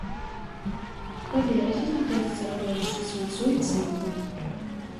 Па беразе знаходзяцца радовішчы свінцу і цынку.